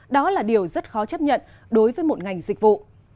đó là điều rất khó chấp nhận đối với một ngành dịch vụ